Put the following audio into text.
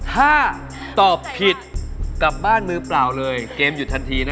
ถ้าตอบผิดกลับบ้านมือเปล่าเลยเกมหยุดทันทีนะ